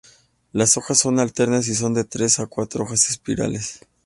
Las hojas son alternas y son de tres a cuatro hojas espirales.